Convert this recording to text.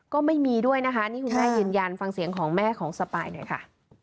ก็ไม่มีด้วยนะคะนี่คุณแม่ยืนยันฟังเสียงของแม่ของสปายหน่อยค่ะ